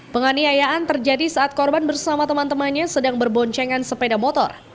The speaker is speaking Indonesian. penganiayaan terjadi saat korban bersama teman temannya sedang berboncengan sepeda motor